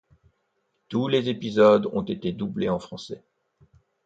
Tous les épisodes ont été doublés en français.